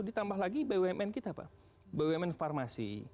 ditambah lagi bumn kita pak bumn farmasi